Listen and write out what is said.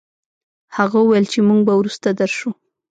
هغه وويل چې موږ به وروسته درشو.